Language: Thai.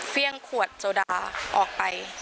เครื่องขวดโซดาออกไป